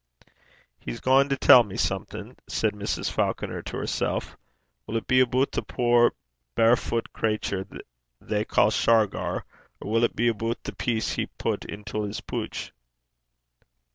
'He's gaein' to tell me something,' said Mrs. Falconer to herself. 'Will 't be aboot the puir barfut crater they ca' Shargar, or will 't be aboot the piece he pat intil 's pooch?'